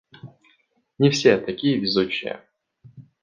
Не все такие везучие.